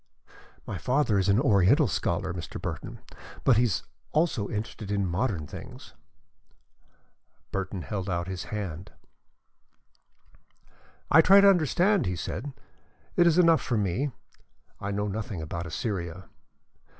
My father is an Oriental scholar, Mr. Burton, but he is also interested in modern things." Burton held out his hand. "I try to understand London," he said. "It is enough for me. I know nothing about Assyria."